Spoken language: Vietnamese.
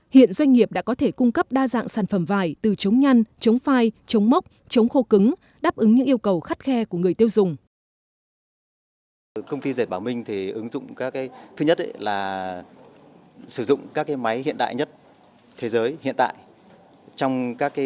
hiện doanh nghiệp đã có thể cung cấp đa dạng sản phẩm vải từ chống nhăn chống phai chống mốc chống khô cứng đáp ứng những yêu cầu khắt khe của người tiêu dùng